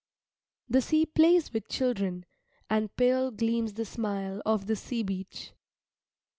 The sea plays with children, and pale gleams the smile of the sea beach.